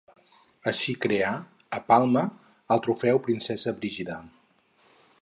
Així creà, a Palma, el Trofeu Princesa Brígida.